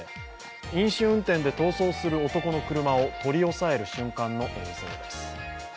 飲酒運転で逃走する男の車を取り押さえる瞬間の映像です。